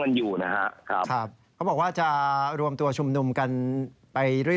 อยู่นะฮะครับครับเขาบอกว่าจะรวมตัวชุมนุมกันไปเรื่อย